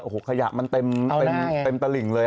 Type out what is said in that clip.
โอ้โหขยะมันเต็มตลิ่งเลย